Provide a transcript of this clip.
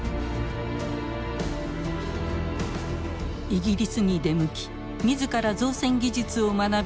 イギリスに出向き自ら造船技術を学び